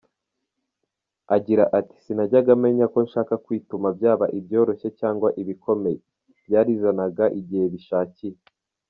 Agira ati “Sinajyaga menya ko nshaka kwituma byaba ibyoroshye cyangwa ibikomeye, byarizanaga igihe bishakiye.